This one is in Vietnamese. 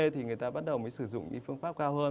thì người ta bắt đầu mới sử dụng những phương pháp cao hơn